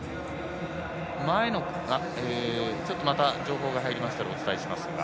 ちょっとまた情報が入りましたらお伝えします。